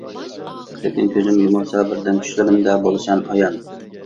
لېكىن كۆزۈم يۇمۇلسا بىردەم، چۈشلىرىمدە بولىسەن ئايان.